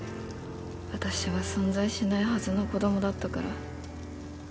私は存在しないはずの子どもだったから。